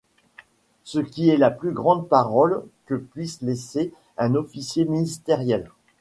Ce qui est la plus grande parole que puisse lâcher un officier ministériel.